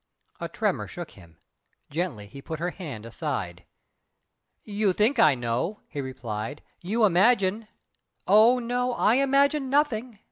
A tremor shook him gently he put her hand aside. "You think I know!" he replied "You imagine " "Oh, no, I imagine nothing!"